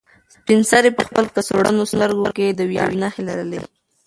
سپین سرې په خپل کڅوړنو سترګو کې د ویاړ نښې لرلې.